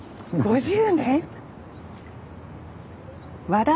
５０年？